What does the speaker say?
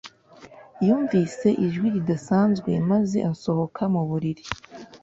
Yumvise ijwi ridasanzwe maze asohoka mu buriri